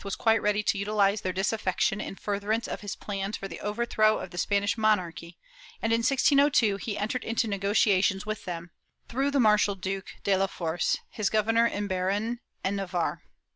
II] CONSPIRACIES 387 IV was quite ready to utilize their disaffection in furtherance of his plans for the overthrow of the Spanish monarchy and, in 1602, he entered into negotiations with them, through the Marshal Duke de la Force, his governor in B6arn and Navarre.